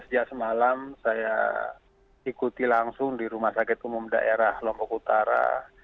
sejak semalam saya ikuti langsung di rumah sakit umum daerah lombok utara